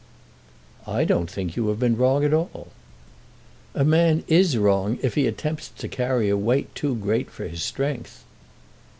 "I don't think you have been wrong at all." "A man is wrong if he attempts to carry a weight too great for his strength."